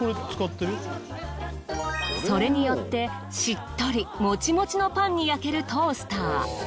それによってしっとりモチモチのパンに焼けるトースター。